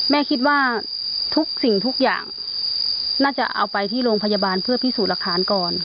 แม่คิดว่าทุกสิ่งทุกอย่างน่าจะเอาไปที่โรงพยาบาลเพื่อพิสูจน์หลักฐานก่อน